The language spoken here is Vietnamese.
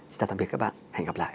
xin chào tạm biệt các bạn hẹn gặp lại